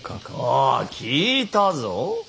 ああ聞いたぞ。